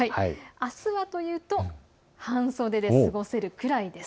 あすはというと半袖で過ごせるくらいです。